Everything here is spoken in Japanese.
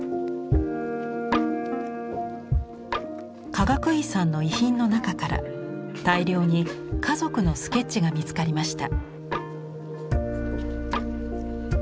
かがくいさんの遺品の中から大量に家族のスケッチが見つかりました。